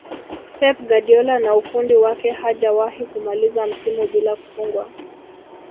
Pep Guardiola na ufundi wake hajawahi kumaliza msimu bila kufungwa